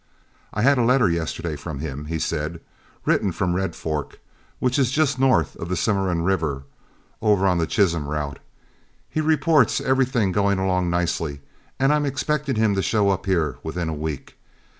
"I had a letter yesterday from him," he said, "written from Red Fork, which is just north of the Cimarron River over on the Chisholm route. He reports everything going along nicely, and I'm expecting him to show up here within a week.